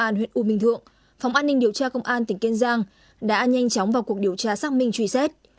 công an huyện u minh thượng phòng an ninh điều tra công an tỉnh kiên giang đã nhanh chóng vào cuộc điều tra xác minh truy xét